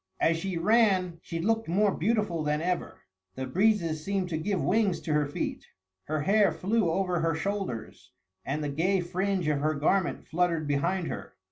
As she ran she looked more beautiful than ever. The breezes seemed to give wings to her feet; her hair flew over her shoulders, and the gay fringe of her garment fluttered behind her.